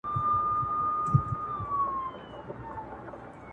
خوږه سرګرداني